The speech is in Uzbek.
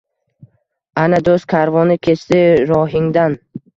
Ana, do’st karvoni kechdi rohingdan